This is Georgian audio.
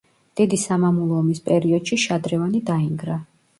დიდი სამამულო ომის პერიოდში შადრევანი დაინგრა.